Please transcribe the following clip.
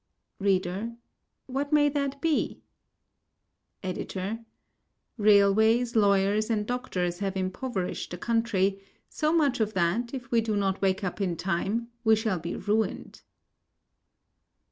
READER: What may that be? EDITOR: Railways, lawyers and doctors have impoverished the country, so much so that, if we do not wake up in time, we shall be ruined.